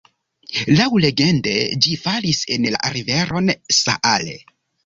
Laŭlegende ĝi falis en la riveron Saale.